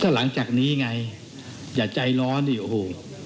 หลังจากนี้ไงอย่าใจร้อนดิโอ้โห